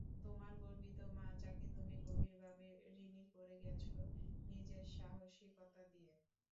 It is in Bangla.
তোমার গর্বিত মা, যাকে তুমি গভীরভাবে ঋণী করে গেছ নিজের সাহসিকতা দিয়ে।